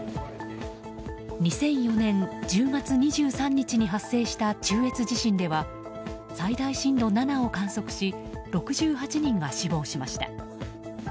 ２００４年１０月２３日に発生した中越地震では最大震度７を観測し６８人が死亡しました。